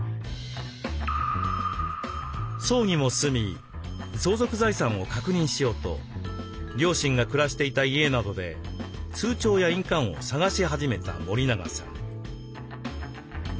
葬儀も済み相続財産を確認しようと両親が暮らしていた家などで通帳や印鑑を探し始めた森永さん。